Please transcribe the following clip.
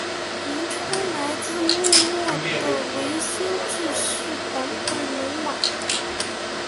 名称来自幕末的维新志士坂本龙马。